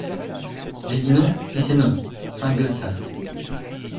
J'ai dit non, et c'est non ! SAINT-GUELTAS.